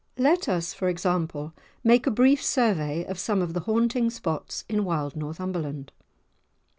Let us, for example, make a brief survey of some of the haunting spots in wild Northumberland.